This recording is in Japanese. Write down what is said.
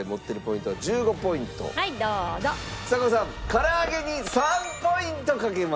から揚げに３ポイントかけました。